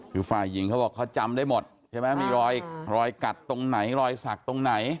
คือฝ่ายหญิงเขาบอกเขาจำได้หมดใช่ไหมมีรอยรอยกัดตรงไหนรอยสักตรงไหน